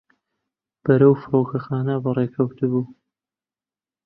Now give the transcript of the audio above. بەرەو فڕۆکەخانە بەڕێکەوتبوو.